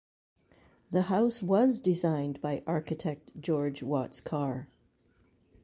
The house was designed by architect George Watts Carr.